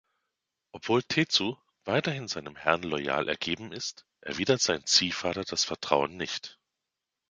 Obwohl Tetsu weiterhin seinem Herrn loyal ergeben ist, erwidert sein Ziehvater das Vertrauen nicht.